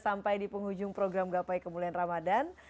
sampai di penghujung program gapai kemuliaan ramadhan